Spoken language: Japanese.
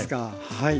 はい。